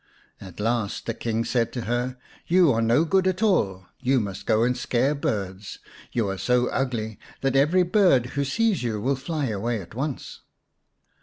At last the King said to her, " You are no good at all ; you must go and scare birds. You are so ugly that every bird who sees you will fly away at once."